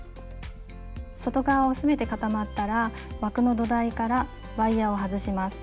外側全て固まったら枠の土台からワイヤーを外します。